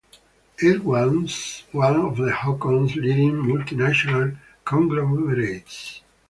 It was one of Hong Kong's leading multi-national conglomerates.